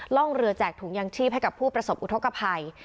ร่องเรือแจกถุงยางชีพให้กับผู้ประสบอุทธกภัย